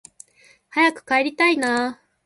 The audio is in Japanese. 早く帰りたいなあ